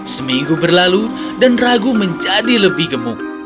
seminggu berlalu dan ragu menjadi lebih gemuk